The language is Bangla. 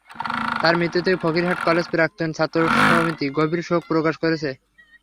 তাঁর মৃত্যুতে ফকিরহাট কলেজ প্রাক্তন ছাত্র সমিতি গভীর শোক প্রকাশ করেছে।